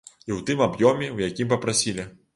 І ў тым аб'ёме, у якім папрасілі.